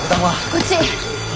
こっち。